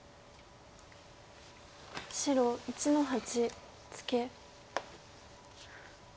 白１の八ツケ。